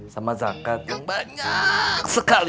sama zakat yang banyak sekali